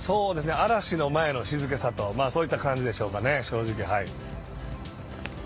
嵐の前の静けさとそういった感じでしょうかね